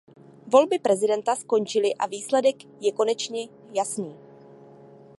Volby prezidenta skončily a výsledek je konečně jasný.